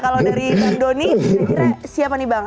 kalau dari dondoni kira kira siapa nih bang